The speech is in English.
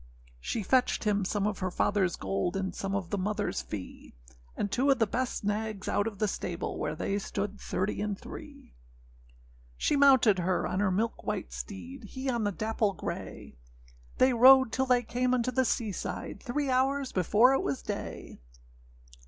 â She fetched him some of her fatherâs gold, And some of the motherâs fee; And two of the best nags out of the stable, Where they stood thirty and three. She mounted her on her milk white steed, He on the dapple grey; They rode till they came unto the sea side, Three hours before it was day.